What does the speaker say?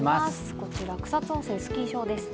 こちら、草津温泉スキー場ですね。